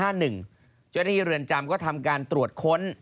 เจ้าหน้าที่เรือนจำก็ทำการตรวจค้น